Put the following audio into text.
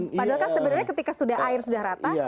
padahal kan sebenarnya ketika air sudah rata